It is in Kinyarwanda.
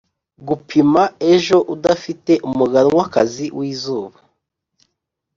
gupima ejo udafite umuganwakazi w'izuba.